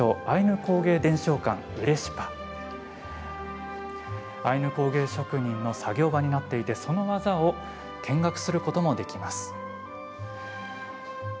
アイヌ工芸職人の作業場になっていてその技を見学することもできます。